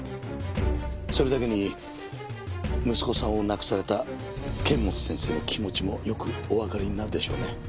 それだけに息子さんを亡くされた堅物先生の気持ちもよくおわかりになるでしょうね。